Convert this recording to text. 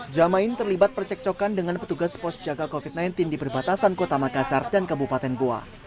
jama'in terlibat percekcokan dengan petugas pos jaga covid sembilan belas di berbatasan kota makassar dan kebupaten bua